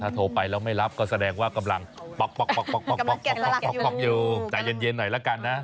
โทรไปแล้วไม่รับก็แสดงว่ากำลังป๊อกอยู่ใจเย็นหน่อยละกันนะ